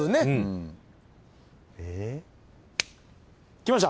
きました？